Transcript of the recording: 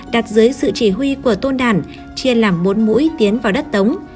đặt dưới sự chỉ huy của tôn đản chia làm bốn mũi tiến vào đất tống